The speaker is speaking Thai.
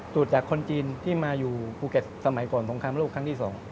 ตรวจจากคนจีนที่มาอยู่ภูเก็ตสมัยก่อนสงครามโลกครั้งที่๒